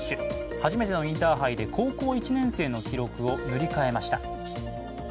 初めてのインターハイで高校１年生の記録を塗り替えました